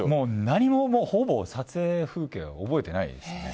何もほぼ撮影風景覚えてないですね。